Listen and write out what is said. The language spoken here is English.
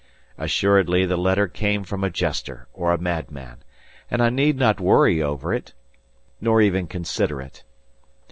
Assuredly the letter came from a jester or a madman; and I need not worry over it, nor even consider it.